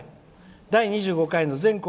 第２５回の全国